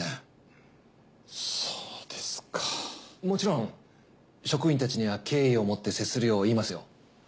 もちろん職員たちには敬意を持って接するよう言いますよ。